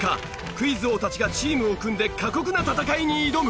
クイズ王たちがチームを組んで過酷な戦いに挑む！